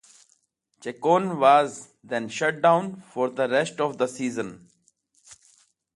Chacon was then shut down for the rest of the season.